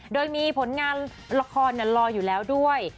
โดยมีผลงานละครรออยู่แล้วด้วย